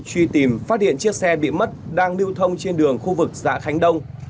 truy tìm phát điện chiếc xe bị mất đang lưu thông trên đường khu vực xã khánh đông